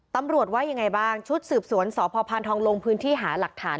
ตำรวจว่ายังไงบ้างชุดสืบสวนสพพานทองลงพื้นที่หาหลักฐาน